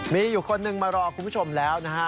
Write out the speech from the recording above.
มีอยู่คนหนึ่งมารอคุณผู้ชมแล้วนะฮะ